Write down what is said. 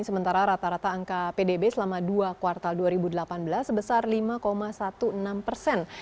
sementara rata rata angka pdb selama dua kuartal dua ribu delapan belas sebesar lima enam belas persen